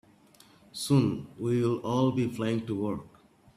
Soon, we will all be flying to work.